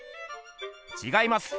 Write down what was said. ちがいます。